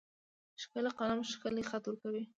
ښکلی قلم ښکلی خط ورکوي.